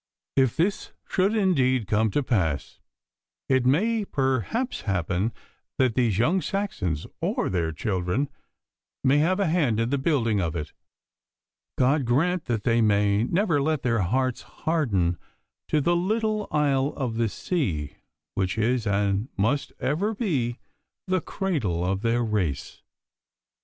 If this should indeed come to pass, it may perhaps happen that these young Saxons or their children may have a hand in the building of it. God grant that they may never let their hearts harden to the little isle of the sea, which is and must ever be the cradle of their race.